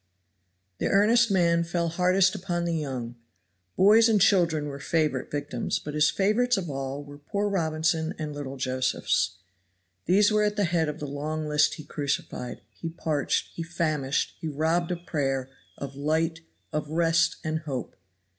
The earnest man fell hardest upon the young; boys and children were favorite victims; but his favorites of all were poor Robinson and little Josephs. These were at the head of the long list he crucified, he parched, he famished, he robbed of prayer, of light, of rest and hope.